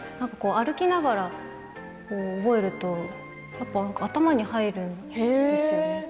歩きながら覚えると頭に入るんですよね。